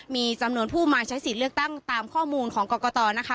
มีจำนวนผู้มาใช้สิทธิ์เลือกตั้งตามข้อมูลของกรกตนะคะ